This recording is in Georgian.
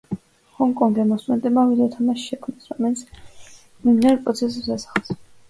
ჰონგ-კონგელმა სტუდენტებმა ვიდეოთამაში შექმნეს, რომელიც მიმდინარე პროცესებს ასახავს.